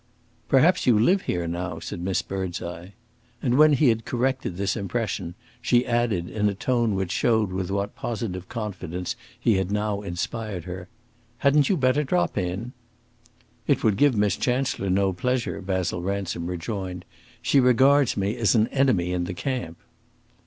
"Perhaps you live here now," said Miss Birdseye. And when he had corrected this impression, she added, in a tone which showed with what positive confidence he had now inspired her, "Hadn't you better drop in?" "It would give Miss Chancellor no pleasure," Basil Ransom rejoined. "She regards me as an enemy in the camp."